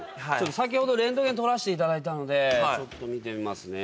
先ほどレントゲン撮らしていただいたのでちょっと見てみますね。